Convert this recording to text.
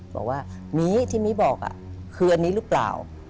บอกว่ามีที่มีบอกคืออันนี้หรือเปล่า